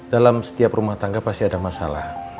dalam setiap rumah tangga pasti ada masalah